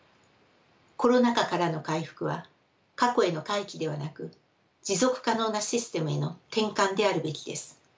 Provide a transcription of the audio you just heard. コロナ禍からの回復は過去への回帰ではなく持続可能なシステムへの転換であるべきです。